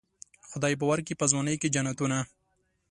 خدای به ورکي په ځوانۍ کې جنتونه.